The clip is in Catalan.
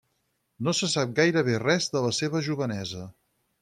No se sap gairebé res de la seva jovenesa.